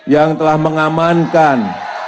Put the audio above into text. yang telah mengamankan